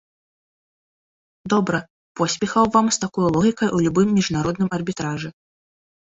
Добра, поспехаў вам з такою логікай у любым міжнародным арбітражы.